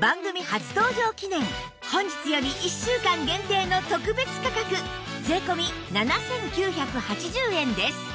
番組初登場記念本日より１週間限定の特別価格税込７９８０円です